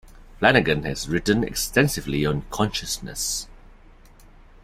Flanagan has written extensively on consciousness.